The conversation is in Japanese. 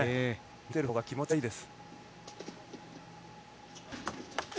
見てるほうが気持ちがいいです。